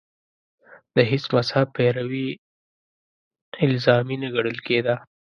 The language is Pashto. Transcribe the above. د هېڅ مذهب پیروي الزامي نه ګڼل کېده